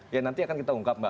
ya nanti akan kita ungkap mbak